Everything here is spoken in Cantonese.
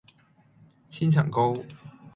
千層糕